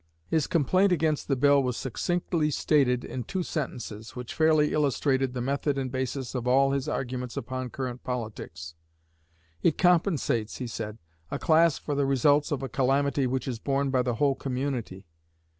His complaint against the bill was succinctly stated in two sentences, which fairly illustrated the method and basis of all his arguments upon current politics. "It compensates," he said, "a class for the results of a calamity which is borne by the whole community.